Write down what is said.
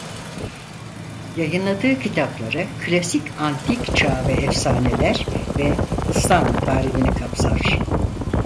Yayınladığı kitapları klasik antik çağ ve efsaneler ve İstanbul tarihini kapsar.